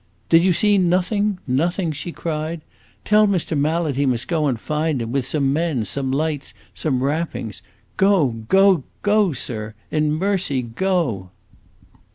"Did you see nothing, nothing?" she cried. "Tell Mr. Mallet he must go and find him, with some men, some lights, some wrappings. Go, go, go, sir! In mercy, go!"